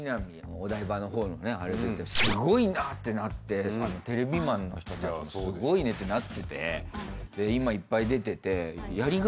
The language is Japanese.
お台場のほうのねあれ出てすごいなってなってテレビマンの人たちもすごいねってなってて今いっぱい出てて。